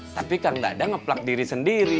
tapi kang dadang ngeplak diri sendiri